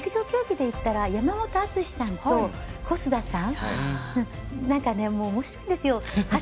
陸上競技で言ったら山本さんと小須田さんなんか、おもしろいんですよ。